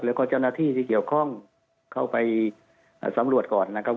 แล้วก็เจ้าหน้าที่ที่เกี่ยวข้องเข้าไปสำรวจก่อนนะครับ